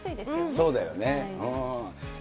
そうだよね。